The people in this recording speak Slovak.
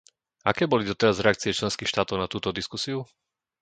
Aké boli doteraz reakcie členských štátov na túto diskusiu?